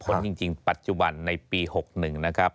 จริงปัจจุบันในปี๖๑นะครับ